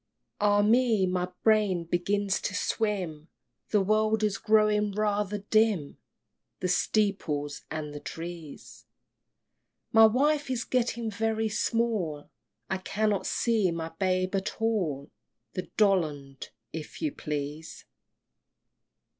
IV. Ah me! my brain begins to swim! The world is growing rather dim; The steeples and the trees My wife is getting very small! I cannot see my babe at all! The Dollond, if you please!